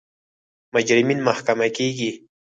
مجرمین محاکمه کیږي.